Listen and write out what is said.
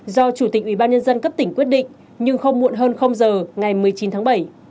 do chủ tịch ubnd cấp tỉnh quyết định nhưng không muộn hơn giờ ngày một mươi chín tháng bảy